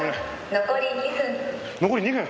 残り２分。